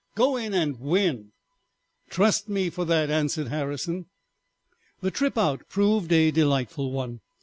"Go in and win." "Trust me for that," answered Harrison. The trip out proved a delightful one.